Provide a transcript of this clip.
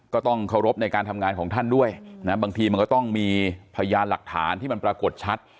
ก็ต้องเคารพในการทำงานของท่านด้วยนะบางทีมันก็ต้องมีพยานหลักฐานที่มันปรากฏชัด